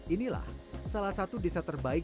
inilah salah satu desa terbaik